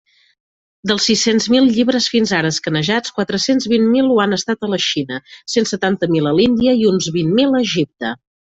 Dels sis-cents mil llibres fins ara escanejats, quatre-cents vint mil ho han estat a la Xina, cent setanta mil a l'Índia i uns vint mil a Egipte.